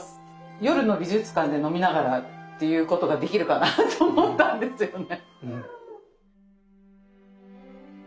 夜の美術館で飲みながらっていうことができるかなと思ったんですよね。